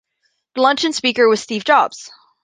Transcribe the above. The luncheon speaker was Steve Jobs.